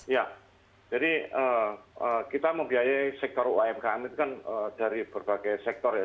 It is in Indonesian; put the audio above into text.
ya jadi kita membiayai sektor umkm itu kan dari berbagai sektor ya